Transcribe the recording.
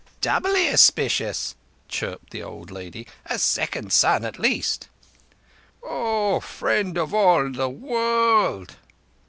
"Doubly auspicious," chirruped the old lady. "A second son at least!" "O Friend of all the World!"